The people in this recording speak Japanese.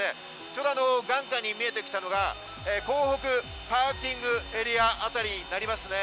ちょうど眼下に見えてきたのが港北パーキングエリアあたりになりますね。